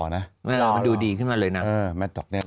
มันดูดีขึ้นมาเลยนะ